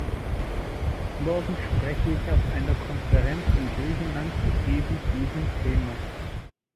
Morgen spreche ich auf einer Konferenz in Griechenland zu eben diesem Thema.